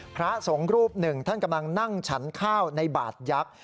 พระสงฆ์รูปหนึ่งท่านกำลังนั่งฉันข้าวในบาดยักษ์